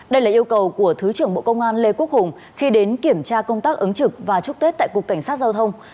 đây là yêu cầu của thứ trưởng bộ công an lê quốc hùng khi đến kiểm tra công tác ứng trực và chúc tết tại cục cảnh sát giao thông